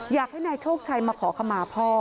อยากให้นายโชคชัยมาขอขมาพ่อ